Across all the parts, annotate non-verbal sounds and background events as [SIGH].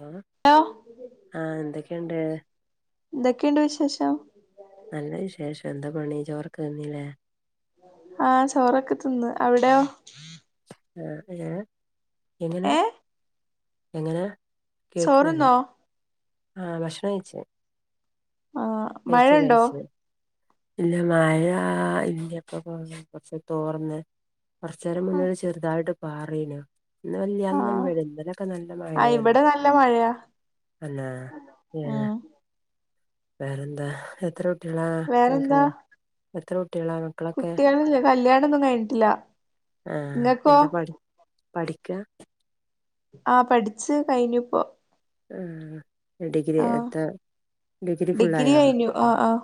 ഹ hello ആഹ എന്തൊക്കെയുണ്ട് എന്തൊക്കെയുണ്ട് വിശേഷം നല്ല വിശേഷം എന്താ പണി ചോറൊക്കെ തിന്നീലേ ആഹ ചോറൊക്കെ തിന്ന് അവിടെയോ ആ ഏ എങ്ങനെ ഏ എങ്ങനാ ചോറ്ന്നോ ആ ഭക്ഷണം കഴിച്ച് ആഹ് കഴിച്ചു മഴയുണ്ടോ കഴിച്ചു ഇല്ല മഴാ ഇല്ലപ്പൊ കൊർച്ച് തോർന്ന് കുറച്ചേരം ആഹ് മുന്നോരു ചെർതായിട്ട് പാറീനു ഇന്ന് വല്യാ ആ [UNINTELLIGIBLE] വരു ഇന്നലൊക്കെ നല്ല ആ മഴയായിരുന്നു ഇവിടെ നല്ല മഴയാ തന്നെ ഏ ഉം വേറെന്താ എത്ര കുട്ട്യാളാ അൻക്ക് എത്ര കുട്ടികളാ മക്കളൊക്കെ കുട്ട്യോളില്ല കല്യാണൊന്നും കഴിഞ്ഞിട്ടില്ല ആഹ് ഇങ്ങക്കോ എന്താ പഠി പഠിക്കാ ആ പഠിച്ചു കഴിഞ്ഞുപ്പോ ഡിഗ്രി ആഹ് എത്ര ഡിഗ്രി ഫുള്ളായോ കഴിഞ്ഞു ആഹ് ആഹ്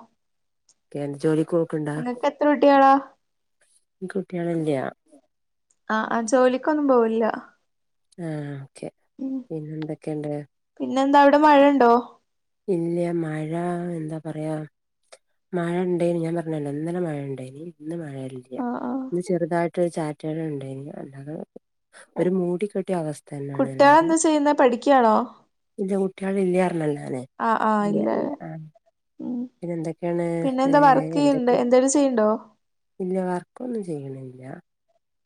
ക്കേണ് ജോലിക്ക് ഓക്ക്ണ്ടാ ഇങ്ങക്ക് എത്ര കുട്ടികളാ ഇക്ക് കുട്ട്യാളില്ല ആ ആ ജോലിക്കൊന്നും പോവ് ല്ല ആ ഓക്കെ പിന്നെ എന്തൊക്കെണ്ട് പിന്നെ എന്താ അവിടെ മഴണ്ടോ ഇല്ല മഴ എന്താ പറയാ മഴ ണ്ടേയ്ന് ഞാൻ പറഞ്ഞല്ലോ ഇന്നലെ മഴയണ്ടേനി ഇന്ന് മഴ ഇല്ല ആഹ് ആഹ് ഇന്ന് ചെറുതായിട്ടൊരു ചാറ്റല്ണ്ടേനി അല്ലാതെ ഒരു മൂടി കെട്ടിയ അവസ് ത്തന്നെയാണ് അല്ലാതെ കുട്ടികളെന്താ ചെയ്യുന്നെ പഠിക്കാണോ ഇല്ല കുട്ട്യാളില്ലാർഞ്ഞല്ലോ ഞാന് ആഹ് ആഹ് ഇല്ല ഇല്ല ആ ഉം പിന്നെന്തൊക്കെയാണ് ഏ പിന്നെന്താ വർക്ക് ചെയ്യണ്ട് എന്തൊക്കെ എന്തേലും ചെയ്യണ്ടോ ഇല്ല വർക്കൊന്നും ചെയ്യ്ണ്ല്ല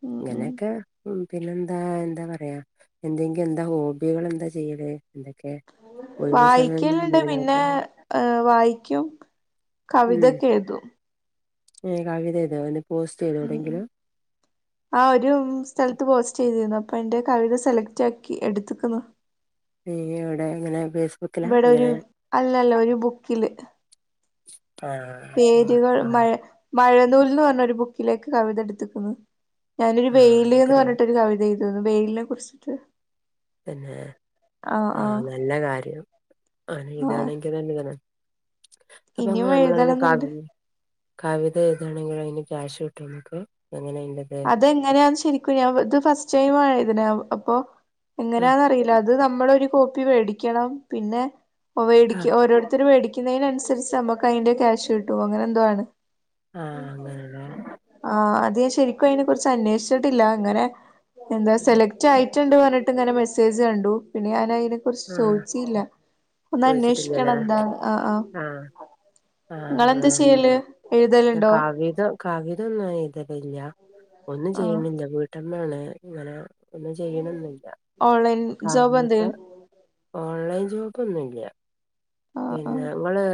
ഉം ഇങ്ങ ഉം നൊക്കെ ഉ പിന്നെന്താ എന്താ പറയാ എന്തെങ്കിലും എന്താ ഹോബികള് എന്താ ചെയ്യല് എന്തൊക്കെ ഒഴിവ് സമയം വായിക്കല്ണ്ട് പിന്നെ വിനോദം? വായിക്കും ഉം കവിതക്കേ എഴ്തും ഏ കവിതെയ്തോ എന്നെ പോസ്റ്റ് ഉം ഉം ചെയ്തോവ്ടെങ്കിലും ആ ഒരു സ്ഥലത്ത് പോസ്റ്റ് ചെയ്തിര്ന്നു അപ്പൊ എന്റെ കവിത സെലക്ട് ആക്കി എടുത്ത്ക്ക്ന്നു പി ഇവിടെങ്ങനെ ഇവിടെ ഒരു അല്ലല്ല ഒരു ബുക്കില് ആ പേരുകൾ ആ മഴ മഴനൂൽന്ന് പർഞ്ഞെര് ബുക്കിലേക്ക് കവിത എടുത്തിക്ക്ന്നു ഞാനൊരു ആഹ് വെയില് എന്ന് എനിക്കറിയ പർഞ്ഞിട്ടൊരു കവിതെ തോന്ന് വെയ്ലിനെ കുറിച്ചിട്ട് പിന്നെ ആഹ് ആ ആഹ് നല്ല കാര്യം ആഹ് അങ്ങനെയ്താണെങ്കിലന്നെണ് അപ്പൊ അങ്ങ ഇനിയും നമ്മള അങ്ങനെ എഴുതണംന്ന്ണ്ട് കവി കവിത എയ്താണെങ്കിലും അയിന് ക്യാഷ് കിട്ടോ നമക്ക് അതെങ്ങനാന്ന് ശരിക്കും ഞാൻ ഇത് ഫസ്റ്റ് ടൈമാ എഴ്ത് ണേഅപ്പൊ ആഹ് എങ്ങനെയാന്നറീല്ല അത് നമ്മള ഒരു കോപ്പി വേടിക്കണം പിന്നെ ആഹ് വേടിക്ക ഓരോര്ത്തര് വേടി ക്കുന്നയ്നനുസരിച്ച് നമുക്ക് അതിന്റെ ക്യാഷ് കിട്ടും അങ്ങനെ എന്തോ ആണ് ആഅങ്ങന ല്ലേ ആഹ് അത് ഞാൻ ശരിക്കും അയ്നെ കുറിച്ച് അന്വേഷിച്ചിട്ടില്ല അങ്ങനെ എന്താ സെലക്ടായി ട്ടിണ്ട് പർഞ്ഞിട്ട്ങ്ങനെ മെസ്സേജ് കണ്ടു പിന്നെ ഞാനയ് നെ കുറിച്ച് ആഹ് ചോയ്ച്ചില്ല ചോദിച്ചിട്ടില്ലല്ലേ ഒന്ന്ന്വേഷിക്കണം എന്താ ആ ആ ആ അങ്ങനെയാണല്ലോ എഴുതലുണ്ടോ കവിത കാവിതൊന്നും എയ്തലില്ല ഒന്നും ആഹ് ചെയ്യണില്ല വീട്ടമ്മാണ് ഇങ്ങനെ ഒന്നും ചെയ്യണെന്നില്ല ഓൺലൈൻ ജോബ് കവിത എന്തേലും ഓൺലൈൻ ജോബ് ഒന്നുമില്ല ആഹ് ആഹ് പിന്നെ ങ്ങള്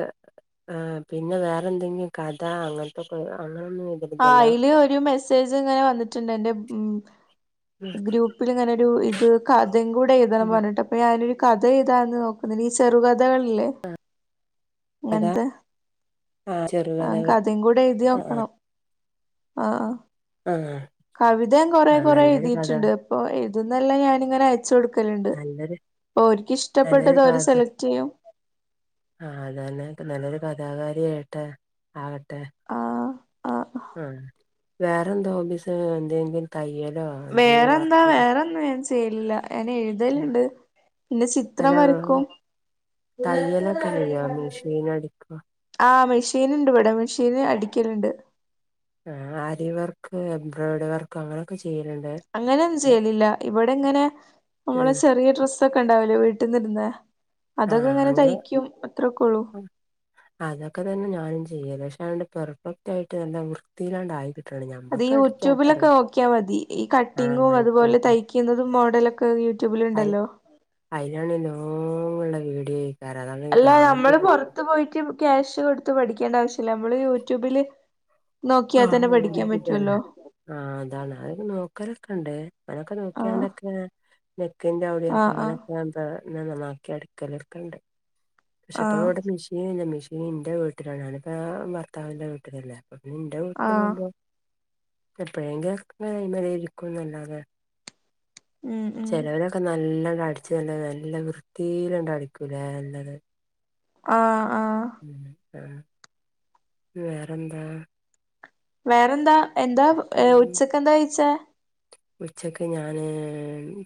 ആ പിന്നെ വേറെ എന്തെങ്കിലും കഥ അങ്ങൻത്തെക്കെ ആ അയ്ല് ഒരു മെസ്സേജ് ഇങ്ങനെ വന്നിട്ടുണ്ട് എന്റെ ഗ്രൂപ്പില് ഇങ്ങനെ രു ഇത് കഥിംകൂടെ എഴുതണം ഉം പറഞ്ഞ്ട്ട് അപ്പൊ ഞാനൊരു കഥ ഇതാന്ന് നോക്കുന്ന ഈ ചെറുകഥകള്ല്ലേ കഥ അങ്ങൻത്തെ ആഹ് അ ചെറുകഥകള് കഥിയും കൂടെ എഴുതി ആഹ് ആഹ് നോക്കണം. അ ആ ആഹ് കവിതയും കൊറെ ആഹ് കൊറെ നല്ലൊരു കഥ എഴുതിട്ടുണ്ട്. അപ്പൊ എഴുതുന്നെല്ലാം ഞാനിങ്ങനെ. ച്ച് കൊടുക്കലുണ്ട് നല്ലൊരു ഓല്ക്ക് ഇഷ്ടപ്പെട്ടത് ഓല് സെലക്ട് ചെയ്യും. ആ അതന്നെ നല്ലൊരു കഥാകാരിയായിട്ടെ ആകട്ടെ. ആ ആ ആ വേറെന്ത ഹോബീസ് എന്തെങ്കിലും. തയ്യല്ലോ എന്തെങ്കിലും വർക്ക് ല്ല ഞാൻ എഴുതലുണ്ട് ന്നെ അല്ല ചിത്രം വരക്കും. തയ്യലൊക്കെ ചെയ്യോ മെഷീൻ അടിക്കോ ആ മെഷീൻ ഇണ്ട് വിടെ മിഷീന് അടി ക്കലുണ്ട് ആ ആരി വർക്ക് എംബ്രോയ്ഡറി വർക്ക് അങ്ങനെയൊക്കെ ചെയ് അങ്ങനെ ഒന്നും ചെയ്യലില്ല ഇവിടെ ങ്ങനെ നമ്മളെ ഉം ചെറിയ ഡ്രസ് ഒക്കെ ഉണ്ടാവലേ വീട്ടിന് ഇട്ണ ആ അങ്ങനെ അതൊക്കെ തന്നെ ഞാനും ചെയ്യല്ല് അതാണ്ട് പെർഫെക് ആായിട്ട്ല്ല വൃത്തിയിലാണ്ട് ആയിട്ടു അത് ഈ യൂട്യൂബിലൊക്കെ നോക്കിയാൽ മതി ഈ കട്ടിങ്ങും നന്നായിട്ട് അതുപോലെ തയ്ക്കുന്നതും. മോഡലൊക്കെ അയി യൂട്യൂബിലുണ്ടല്ലോ അയിലാണ് എല്ലാം ഉള്ള വീഡിയോ ആയിക്കാരം അതാണ് ഈ അല്ല ഭ്രാന്തും നമ്മള് പൊറത്ത് പോയിട്ട് ക്യാഷ് കൊടുത്ത് പഠിക്കേണ്ട ആവശ്യല്ല. നമ്മള് യൂട്യൂബില്. നോക്കിയാ തന്നെ പഠിക്കാൻ പറ്റല്ലോ? ആ അതാണ് നോക്കലൊക്കെ ഉണ്ട്. അതൊക്കെ ആഹ് നോക്കിയാണ്ടൊക്കെ നെക്കിൻറെ അവിടെ ആ ആഹ് ആഹ് കാനൊക്കെ ഞൻ നന്നാക്കി അടീക്കലക്കണ്ട്. പക്ഷെ ഇപ്പൊ ആഹ് മെഷീൻ ഇല്ല മെഷീനിന്റെ വീട്ടിലാണ് ഞാനിപ്പോ ഭർത്താവിന്റെ വീട്ടിലല്ലേ അപ്പൊ പിന്ന് എന്റെ വീട്ടു ആഹ് പോവുമ്പോ എപ്പോഴെങ്കിലുംഒകൊ ഇരിക്കുംന്നല്ലാതെ. ഉം ഉം ചെലോല് ക്കെ നല്ല കടിച്ചു നല്ല നല്ല വൃത്തിയില്ണ്ടടിക്കൂലേ നല്ലത്. ആ ആ വേറെന്താ? വേറെന്താ എന്താ ഉം ഉച്ചക്ക്ന്താ കീഴിച്ചേ? ഉച്ചക്ക് ഞാന്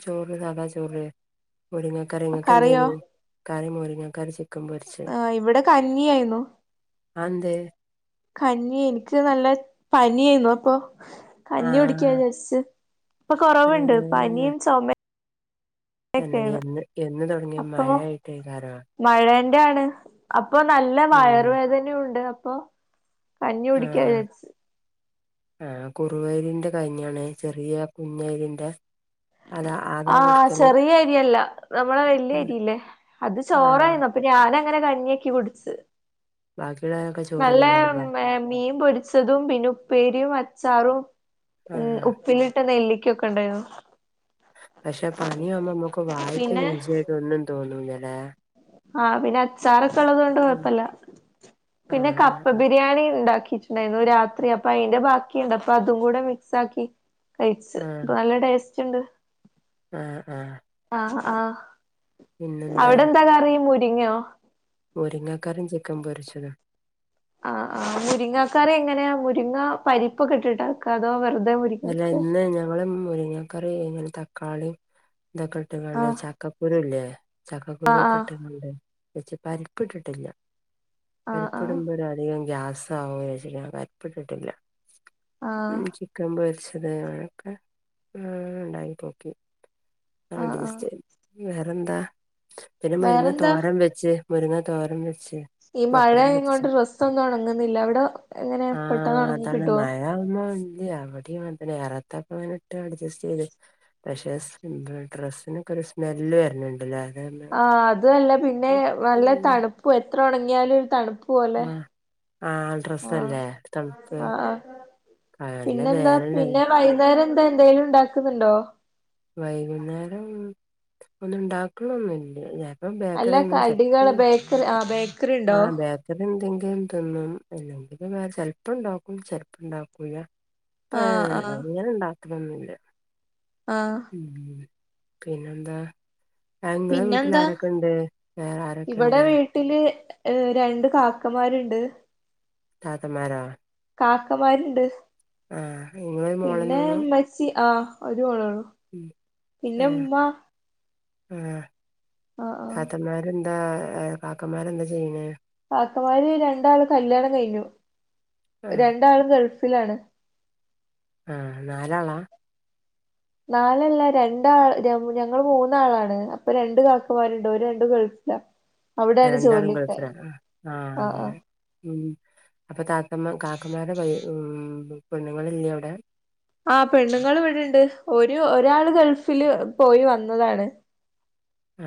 ചോറ് സാധാ ചോറ്. മുരിങ്ങക്കറി കറിയോ ങ്ങക്കെന്തയ്നി കാറി മരിങ്ങക്കറി ആ ഇവിടെ കഞ്ഞിയാന്നു. അതെന്തേ കഞ്ഞി എനിക്ക് നല്ല പനായിരുന്നു. അപ്പൊ കഞ്ഞി കുടിക്ക ആഹ് ജസ്റ്റ് ഇപ്പൊ കൊറവ്ണ്ട്. അങ്ങനെ പനിയും ചൊമ തന്നെ എന്ന് എന്ന് തുടങ്ങിയ മഴായിട്ട് ആയ്കാരം ക്കാണ് അപ്പൊ നല്ല വയറുവേദനുണ്ട് അപ്പൊ കഞ്ഞി കുടിക്കാ വിചാര്ച്ച് ആ കുറുവയീരിൻറ കഞ്ഞിയാണ് ചെറിയ കുഞ്ഞരിന്റെ അതാ അതാ ആ കുടിക്കല് ചെറിയ അരിയല്ല നമ്മളെ വല്യ അരിയില്ലേ അത്. ആഹ് ചോറായിരുന്നു അപ്പൊ ഞാന അങ്ങനെ കഞ്ഞിക്കി കുടിച്ചു. ബാ നല്ല മീൻ പൊ ച്ചതും പിന്നെ ഉപ്പേരി, അച്ചാറും ആഹ് ഉപ്പിലിട്ട നെല്ലി ഒക്കെ ഉണ്ടായിരുന്നു. പക്ഷെ പനിയാമ്പോ മ്മക്ക് നമ്മുക്ക് വായിക്ക പിന്നെ രുചിയായിട്ട് ഒന്നും തോന്നൂലാല്ലേ? ആ പിന്നെ അച്ചാറൊക്കെ ഉള്ളത് കൊണ്ട് കൊഴപ്പല്ല പിന്നെ കപ്പ ആഹ് ബിരിയാണി ഇണ്ടാക്കി ജ് മെനു രാത്രി അപ്പൊ അയിന്റെ ബാക്കിയുണ്ട് അപ്പൊ അതും കൂടെ മിക്സ് ആക്കി കയ്ച്ച് പ്പൊ നല്ല ടേസ്റ്റ്ണ്ട് ആ ആ ആ അവിടെ എന്താ കറി മുരിങ്ങയോ മുരിങ്ങക്കറിയും ചിക്കൻ പൊരിച്ചതാ ആ ആ മുരിങ്ങക്കറി എങ്ങനെയാ മുരിങ്ങ പരിപ്പൊക്കെട്ടിട്ടാ അതോ വെറു അല്ല ഇന്ന് ഞങ്ങളും മുരിങ്ങക്കറി ഇങ്ങനെ തക്കാളീം ഇതൊക്കെ ഇട്ട്ക്കാണ്ട് ആഹ് ചക്കക്കുരുല്ലേ ചക്കക്കുരു ആഹ് ഒക്കെ ആഹ് ഇട്ട് [UNINTELLIGIBLE] വെച്ച് പരിപ്പിട്ടിട്ടില്ല ആഹ് ആഹ് പരിപ്പിടുമ്പോ അത് അധികം ഗ്യാസ് സ [UNINTELLIGIBLE] പരിപ്പിട്ടിട്ടില്ല ആഹ് സംഭരിച്ചത് ക്കെ ഇഇ ഇണ്ടായിപ്പൊക്കി ആ ആഹ് ആഹ് ഡസ്റ്റ് വേറെന്താ പിന്നെ മുരിങ്ങ വേറെന്താ തോരം വെച്ച് മുരുങ്ങ തോരൻ വെച്ച് ഈ പപ്പടം പരിച്ച് മഴയായകൊണ്ട് ഡ്രസ്സ് ഒന്നും ഉണങ്ങുന്നില്ല അവിടെ എങ്ങനെ ആ പെട്ടെന്ന് ഉണങ്ങി അതാണ് കിട്ടുവോ മഴയാവുമ്പോ അതെയ അവിടെയും അങ്ങനെതന്നെ അറയത്തൊക്കെ ഇട്ട് അഡ്ജസ്റ്റ് ചെയ്ത് പക്ഷെ സ് ഡ്രെസിനൊക്കെ ഒരു സ്മെല്ല് വര്ണണ്ട്ല്ലേ ആ അതല്ല പിന്നെ നല്ല ഉം തണുപ്പും എത്ര ഉണങ്ങിയാലും തണുപ്പ് പോവല്ലേ ആഹ് ആഹ് ആ ഡ്രസ്സല്ലേ തണുപ്പ് ആ ആ നല്ല പിന്നെന്താ വേനല്ലേ പിന്നെ വൈന്നേരം എന്താ എന്തേലും ഇണ്ടാക്കുന്നുണ്ടോ വൈകുന്നേരം ഒന്നും ഉണ്ടാക്ക്ണൊന്നില്ല ആം അല്ല ബേക്കറിന്നും ചെൽ കടികള് ബേക്കറി ആഹ് ബേക്കറി ആ ഉണ്ടോ ബേക്കറി എന്തെങ്കും യും തിന്നും അല്ലെങ്കിലിൽ വേറെ ചെൽപ്പോ ഉണ്ടാക്കും ചെൽപ്പോ ഉണ്ടാക്കൂല അ ആഹ് ആഹ് അങ്ങനെ ഇണ്ടാക്കലൊന്നില്ല ആഹ് ഉം പിന്നെന്താ? ങ്ങളെ വീട്ടിൽ പിന്നെന്താ ആരൊക്കെണ്ട് വേറെ ആരൊക്കെ ഇണ്ട്? ഏ രണ്ട് കാക്കമാരുണ്ട് കാക്കമ്മാരാ? ക്കമാരുണ്ട് ഇങ്ങളൊരു പിന്നെ മോളന്നൊള്ളൂ മ്മച്ചി ആ അത് വാണണോ പിന്നെ ഉമ്മ ആഹ ആഹ് ആഹ് താത്തമാരെന്താ ആ കാക്കമാരെന്താ ചെയ്യണ് കാക്കമാര് രണ്ടാള് കല്യാണം കഴിഞ്ഞു ആഹ് രണ്ടാളും ഗൾഫിലാണ് ആ നാലാളാ? നാലല്ല രണ്ടാൾ ഞങ്ങൾ മൂന്നാളാണ് അപ്പൊ രണ്ട് കാക്കമാരുണ്ട് ഒരു രണ്ടു ഗൾഫ് ലാ രണ്ടാളും ഗൾഫിലാണ് ആഹ് ആ ആഹ് ആഹ് അങ്ങനെ മ് അപ്പൊ താത്തമ്മ കാക്കമാരുടെ വൈ ഉം പെണ്ണ്ങ്ങൾ ഇല്ലേ അവിടെ? ആ പെണ്ണുങ്ങൾ ഇവിടെണ്ട് ഒരു ഒരാള് ഗൾഫില് പോയി വന്നതാണ്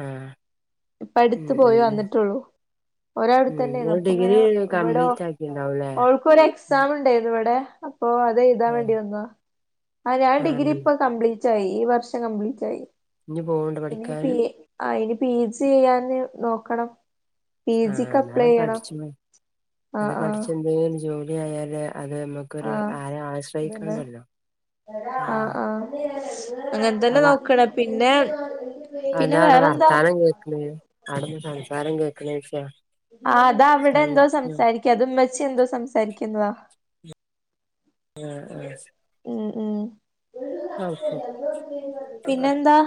ആഹ് ഇപ്പ ഉം അടുത്ത് ഉം പോയി ഉം വന്നിട്ടുള്ളൂ ഉം ഒരടുത്തന്നെയിരുന്നു ഇങ്ങള് അപ്പൊ ഇങ്ങനെ ഡിഗ്രി ഇവിടെ കംപ്ലീറ്റ് ആക്കിണ്ടാവുംല്ലേ ഓൾക്കൊരു എക്സാം ഉണ്ടായിരുന്നു ഇവിടെ അപ്പൊ അത് എുതാൻ വേണ്ടി ആഹ് വന്ന ആ ഞാൻ ഡിഗ്രി ആഹ് ഇപ്പ കംപ്ലീറ്റ് റ്റായി ഈ വർഷം കംപ്ലീറ്റായി ഇഞ്ഞ് പോവ്ണ്ടോ ഇനി പി പഠിക്കാന് ആയി പി ജി ചെയ്യാന് നോക്കണം പി ആ ജിക്ക് ഞാൻ അപ്ലൈ ചെയ്യണം പഠിച്ചു ആഹ് എന്ന പഠിച്ച ആഹ് എന്തെലും ജോലി ആയല് അത് നമ്മുക്കൊരു ആഹ് ആരെ അതന്നെ ആശ്രയിക്കണ്ടല്ലോ ഉം അങ്ങന തന്നെ നോക്കണ പിന്നെ അ പിന്നെ ന്താ അവിടെ വേറെന്താ വർത്താനം കേൾക്കണ് അവിടുന്ന് സംസാരം കേൾക്കണ് വിക്ഷ ആ അതാ അവിടെ എന്തോ സംസാരിക്ക അത് ഉമ്മച്ചി എന്തോ സംസാരിക്കുന്നുതാ ആ അ ഉം ഓക്ക ആ പിന്നെന്താ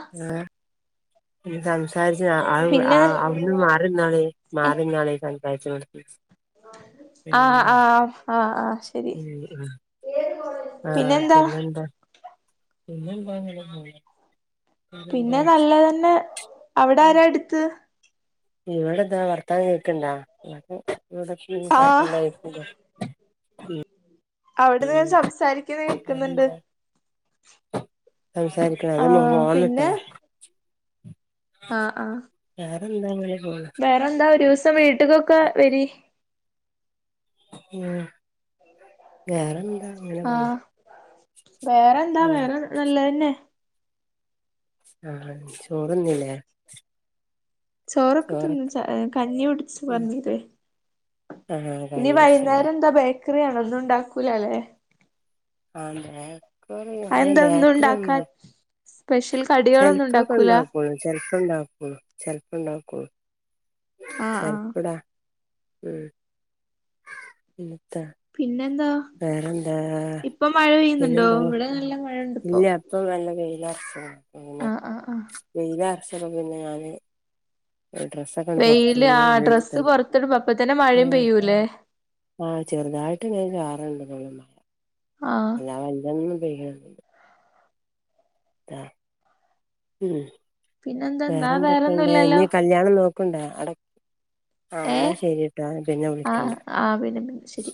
[UNINTELLIGIBLE] സംസാരിച്ച പിന്നെ അവിന്ന് മാറുന്നാള മാറുന്നാളെ സംസാരിച്ചു കൊടു [UNINTELLIGIBLE] ആ ആ ആഹ് ആ ശരി ആ പിന്നെന്താ പിന്നന്താ അങ്ങനെ പോണു പിന്നെ നല്ലതന്നെ അവിടെ ആരാ അടുത്ത്? ഇവിടെ എന്താ വർത്താനം കേൾക്ക്ണ്ടോ ആഹ് [UNINTELLIGIBLE] ഉം അവിടെന്ന് സംസാരിക്കുന്ന കേക്കുന്നുണ്ട് വേറെന്താ സംസാരിക്കണ അത് ആഹ് [UNINTELLIGIBLE] ആ ആ എന്താങ്ങനെ വേറെ എന്താ ഒരു ദിവസം വീട്ട്ക്കൊക്കെ വരി ഉം വേറെന്ത്‌ ആ വേറെ എന്താ ഉം വേറെ നല്ലതെന്നെ ആ ചോറ്ന്നില്ലേ? ചോറൊക്കെ തിന്ന് ച കഞ്ഞി കുടിച്ചു ഉം പറഞ്ഞീലെ ആഹ് ഇനി കഞ്ഞി കുടിച്ച്ല്ലേ വൈന്നേരം എന്താ ബേക്കറിയണോ ഒന്നും ഉണ്ടാക്കൂലല്ലേ? ആഹബേക്കറി അങ്ങനെ ഒന്നും ബേക്കറി ഉണ്ടാക്കാ ഒന്നും സ്പെഷ്യൽ കടികളൊന്നും ചെലപ്പ ഒക്കെ ഉണ്ടാക്കൂല ഉണ്ടാക്കുള്ളൂ ചെല പ്പണ്ടാക്കൊള്ളു ചെലപ്പുണ്ടാക്കൊള്ളൂ ആഹ് ആഹ് ചെലപ്പടാ ഉം ഉ പിന്നെന്താ വേറെന്താ ഇപ്പൊ മഴ പെയ്യുന്നുണ്ടോ പിന്നെന്താ ഇവിടെ നല്ല മഴണ്ട് ഇല്ല അപ്പ നല്ല വെ യിലർച്ച്ണ് ആ ആ ആ [UNINTELLIGIBLE] പിന്നെ ഞാന് ഡ്രസ്സൊക്കെണ്ട് വെയില് പൊറത്ത്ന്ന് ആ എടുത്ത് ഡ്രസ്സ് പൊറത്തെടുമ്പ അപ്പ തന്നെ മഴയും ആഹ് പെയ്യൂല്ലേ ആഹ് ചെറുതായിട്ട് ഇങ്ങനെചാറ്ണ്ട് തോന്നണു ആഹ് അല്ലാതെ വല്യൊന്നും പെയ്യണുണ്ട് ആ ഉം പിന്നെന്താ ന്നാ വേറെന്തൊക്കെയുണ്ട് വേറൊന്നുംല്ലല്ലോ ഇനി കല്യാണം നോക്കുണ്ടോ അട ആ ന്നാ ഏഹ് ശരിട്ടാ ഞാൻ പിന്നെ ആഹ് വിളിക്കണ്ട് ആഹ് പിന്നെ പിന്നെ ശരി